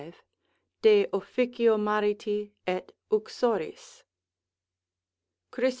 de officio mariti et uxoris, Christ.